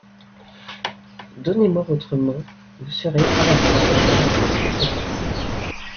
Donnez-moi votre main, vous serez à la fois acteur et spectateur.